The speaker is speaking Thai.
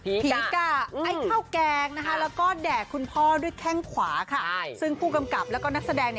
ผีกะไอ้ข้าวแกงนะคะแล้วก็แดกคุณพ่อด้วยแข้งขวาค่ะซึ่งผู้กำกับแล้วก็นักแสดง